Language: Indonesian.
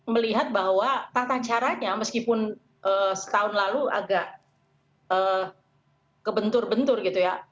melihat bahwa tata caranya meskipun setahun lalu agak kebentur bentur gitu ya